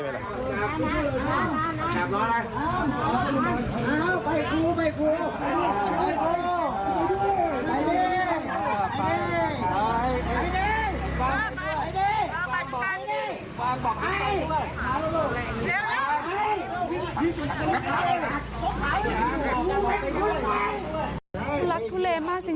สังวัติภักดิ์